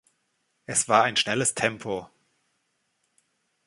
Es war ein schnelles Tempo.